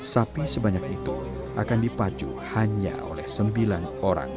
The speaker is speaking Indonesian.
sapi sebanyak itu akan dipacu hanya oleh sembilan orang